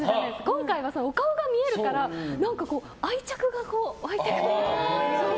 今回は、お顔が見えるから何か、愛着が湧いてきて。